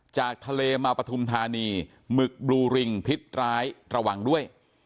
จากทะเลมาปฐุมธานีหมึกบลูริงพิษร้ายระวังด้วย